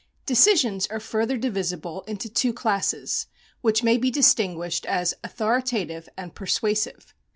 Decisions are further divisible into two classes, which may be distinguished as authoritative and persuasive.